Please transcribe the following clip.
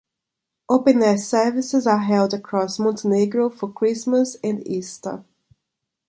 Open-air services are held across Montenegro for Christmas and Easter.